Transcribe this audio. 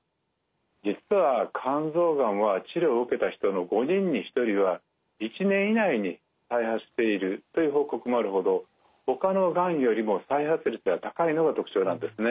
実は肝臓がんは治療を受けた人の５人に１人は１年以内に再発しているという報告もあるほどほかのがんよりも再発率が高いのが特徴なんですね。